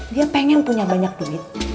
dia pengen punya banyak duit